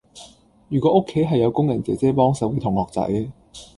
如果屋企係有工人姐姐幫手嘅同學仔